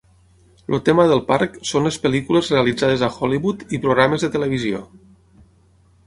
El tema del parc són les pel·lícules realitzades a Hollywood i programes de televisió.